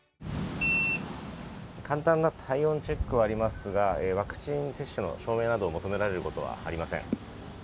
簡単な体温チェックはありますがワクチン接種の証明などを求められることはありません。